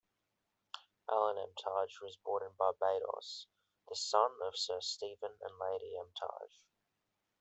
Alan Emtage was born in Barbados, the son of Sir Stephen and Lady Emtage.